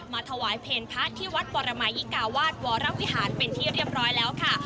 มาถวายเพลพระที่วัดปรมายิกาวาสวรวิหารเป็นที่เรียบร้อยแล้วค่ะ